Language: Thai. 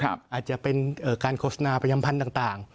อาจจะเป็นการโฆษณาประจำพันธุ์ต่าง